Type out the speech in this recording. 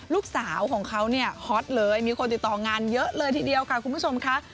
ลูกสาวของเขาเนี่ยฮอตเลยมีคนติดต่องานเยอะเลยทีเดียวค่ะคุณผู้ชมค่ะ